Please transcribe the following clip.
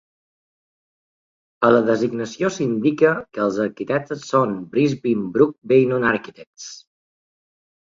A la designació s"indica que els arquitectes són Brisbin Brook Beynon Architects.